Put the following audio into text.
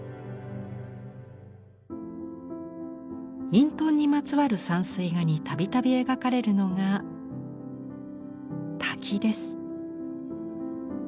隠遁にまつわる山水画に度々描かれるのが滝です。